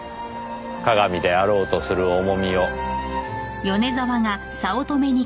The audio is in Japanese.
かがみであろうとする重みを。